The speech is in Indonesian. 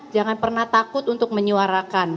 jangan pernah takut untuk menyuarakan